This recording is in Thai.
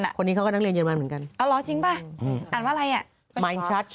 เค้าเรียกก็นั่งเลียร์เยอรมันเหมือนกันอ่าเหรอจริงเปล่าอ้าวอะไรอ่ะ